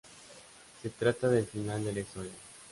Se trata del final de la historia.